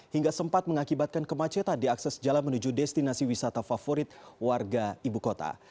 hingga sempat mengakibatkan kemacetan di akses jalan menuju destinasi wisata favorit warga ibu kota